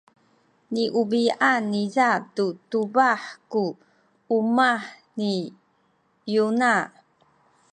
niubi’an niza tu tubah ku umah ni Yona.